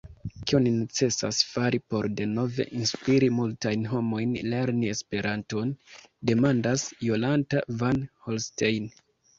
Kion necesas fari por denove inspiri multajn homojn lerni Esperanton, demandas Jolanta van Holstein.